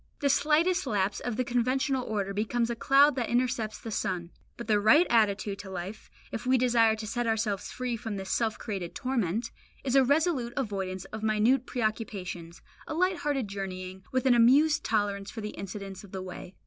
The slightest lapse of the conventional order becomes a cloud that intercepts the sun. But the right attitude to life, if we desire to set ourselves free from this self created torment, is a resolute avoidance of minute preoccupations, a light hearted journeying, with an amused tolerance for the incidents of the way.